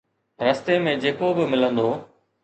رستي ۾ جيڪو به ملندو